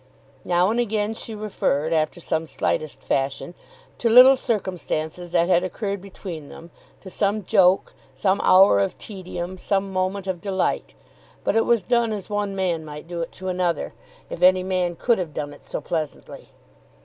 Now and again she referred, after some slightest fashion, to little circumstances that had occurred between them, to some joke, some hour of tedium, some moment of delight; but it was done as one man might do it to another, if any man could have done it so pleasantly.